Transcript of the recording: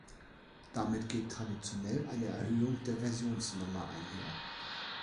Damit geht traditionell eine Erhöhung der Versionsnummer einher.